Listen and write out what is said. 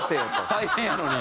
大変やのに。